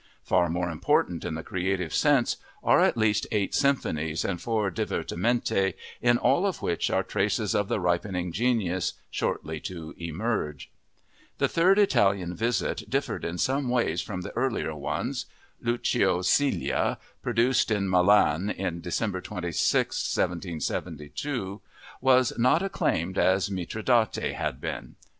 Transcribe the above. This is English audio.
Far more important in the creative sense are at least eight symphonies and four divertimenti, in all of which are traces of the ripening genius shortly to emerge. The third Italian visit differed in some ways from the earlier ones. Lucio Silla, produced in Milan on December 26, 1772, was not acclaimed as Mitridate had been.